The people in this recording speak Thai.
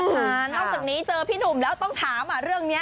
นอกจากนี้เจอพี่หนุ่มแล้วต้องถามเรื่องนี้